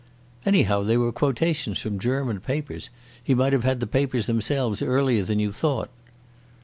"Anyhow, they were quotations from German papers. He might have had the papers themselves earlier than you thought."